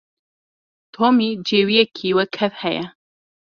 Tomî cêwiyekî wekhev heye.